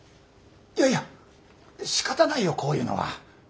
いやいやしかたないよこういうのは。